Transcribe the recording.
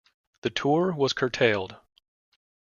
The tour was curtailed.